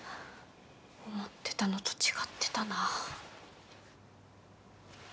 思ってたのと違ってたな。